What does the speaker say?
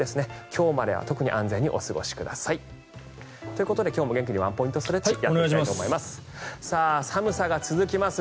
今日までは特に安全にお過ごしください。ということで今日も元気にワンポイントストレッチやっていこうと思います。